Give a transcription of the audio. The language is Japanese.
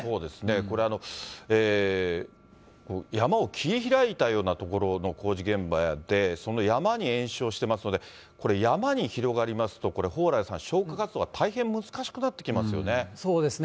これ、山を切り開いたような所の工事現場で、その山に延焼してますので、これ、山に広がりますと、これ、蓬莱さん、消火活動が大変難しくなってきますよね。